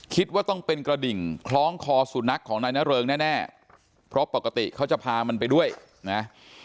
คิดว่าต้องเป็นกระดิ่งคล้องคอสุนัขของนายนเริงแน่เพราะปกติเขาจะพามันไปด้วยนะ